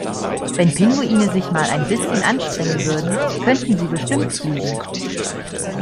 Wenn Pinguine sich mal ein bisschen anstrengen würden, könnten sie bestimmt fliegen!